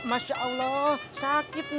masya allah sakit neng